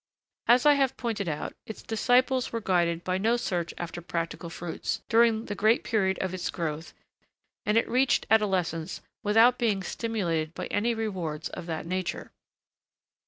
As I have pointed out, its disciples were guided by no search after practical fruits, during the great period of its growth, and it reached adolescence without being stimulated by any rewards of that nature.